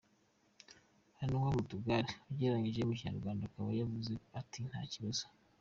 hunua tu magari ugereranyije mu Kinyarwanda akaba yavuze ati Nta kibazo.